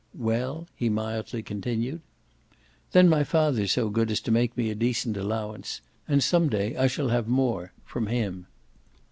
"Well?" he mildly continued. "Then my father's so good as to make me a decent allowance; and some day I shall have more from him."